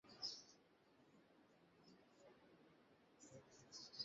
বিশ্বকাপ বাছাই সামনে রেখে আগামী শনিবার থেকে বাফুফে ভবনে আবাসিক ক্যাম্প শুরু হবে।